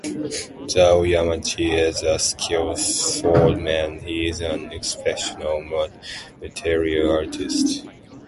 Though Yamcha is a skilled swordsman he is an exceptional martial artist.